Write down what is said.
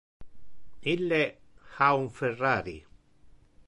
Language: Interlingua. Ille ha un Ferrari.